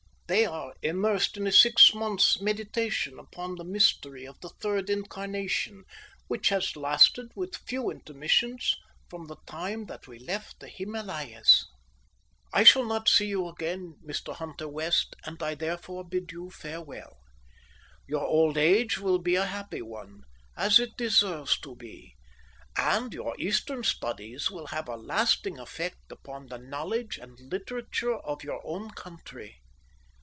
They are immersed in a six months' meditation upon the mystery of the third incarnation, which has lasted with few intermissions from the time that we left the Himalayas. I shall not see you again, Mr. Hunter West, and I therefore bid you farewell. Your old age will be a happy one, as it deserves to be, and your Eastern studies will have a lasting effect upon the knowledge and literature of your own country.